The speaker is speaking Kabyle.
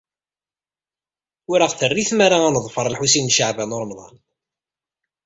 Ur aɣ-terri tmara ad neḍfer Lḥusin n Caɛban u Ṛemḍan.